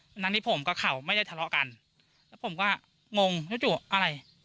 ทั้งนี้ผมกับเขาไม่ได้ทะเลาะกันแล้วผมก็งงจู่อะไร